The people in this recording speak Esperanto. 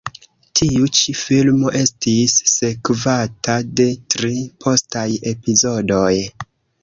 Tiu ĉi filmo estis sekvata de tri postaj epizodoj.